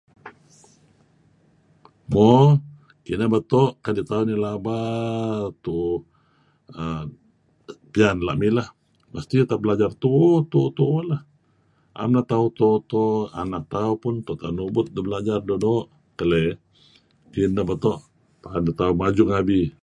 Mo kineh beto' kadi' tauh nih laba tu'uh err piyan la' mileh mesti tauh belajar tu'uh-tu'uh tu'uh lah , na'em neh tauh uto-uto, anak tauh peh tu'en tauh nubut deh belajar doo'-doo' keleh, kineh beto' tu'en tauh majung deh ngabi.